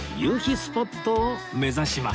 スポットを目指します